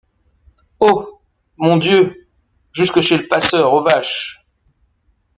Oh! mon Dieu ! jusque chez le passeur aux vaches !